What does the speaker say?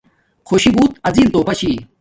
خوشی بوت عظیم توفہ چھی